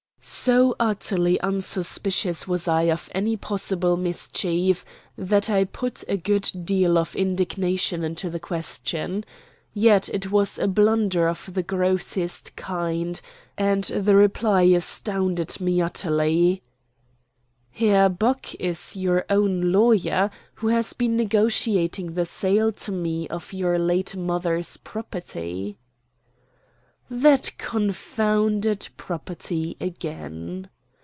So utterly unsuspicious was I of any possible mischief that I put a good deal of indignation into the question. Yet it was a blunder of the grossest kind, and the reply astounded me utterly. "Herr Bock is your own lawyer, who has been negotiating the sale to me of your late mother's property." That confounded property again!